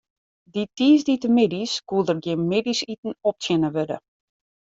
Dy tiisdeitemiddeis koe der gjin middeisiten optsjinne wurde.